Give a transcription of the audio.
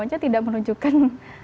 namanya tidak menunjukkan